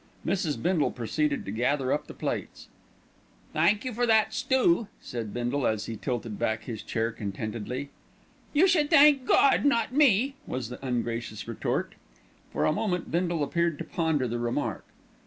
Mrs. Bindle proceeded to gather up the plates. "Thank you for that stoo," said Bindle as he tilted back his chair contentedly. "You should thank God, not me," was the ungracious retort. For a moment Bindle appeared to ponder the remark.